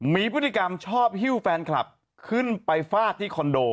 มีพฤติกรรมชอบหิ้วแฟนคลับขึ้นไปฟาดที่คอนโด